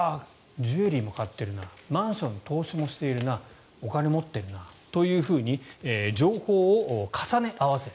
ジュエリーも買ってるなマンション、投資もしているなお金持っているなというふうに情報を重ね合わせる。